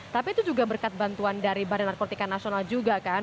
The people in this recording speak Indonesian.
tapi itu juga berkat bantuan dari badan narkotika nasional juga kan